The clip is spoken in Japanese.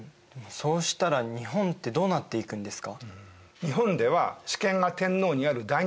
そうしたら日本ってどうなっていくんですか？